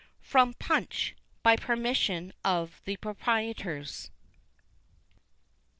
(From "PUNCH," by permission of the Proprietors.)